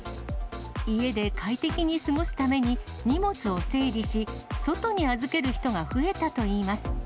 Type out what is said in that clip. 家で快適に過ごすために荷物を整理し、外に預ける人が増えたといいます。